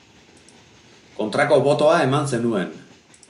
Kontrako botoa eman zenuen.